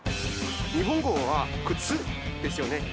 日本語は「靴」ですよね。